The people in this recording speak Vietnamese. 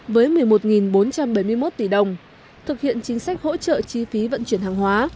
với một mươi một bốn trăm bảy mươi một tỷ đồng thực hiện chính sách hỗ trợ chi phí vận chuyển hàng hóa